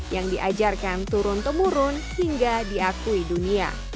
yang diajarkan turun temurun hingga diakui dunia